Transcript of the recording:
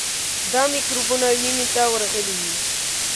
دا میکروبونه وینې ته ورغلي وي.